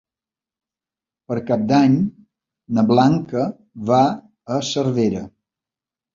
Per Cap d'Any na Blanca va a Cervera.